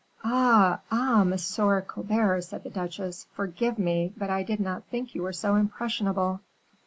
"Ah! ah! Monsieur Colbert," said the duchesse, "forgive me, but I did not think you were so impressionable.